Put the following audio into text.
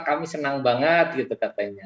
kami senang banget gitu katanya